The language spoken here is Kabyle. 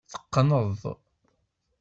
Teqqneḍ.